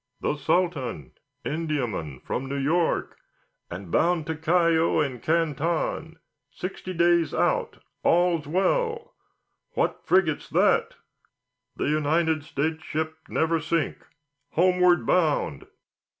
"The Sultan, Indiaman, from New York, and bound to Callao and Canton, sixty days out, all well. What frigate's that?" "The United States ship Neversink, homeward bound."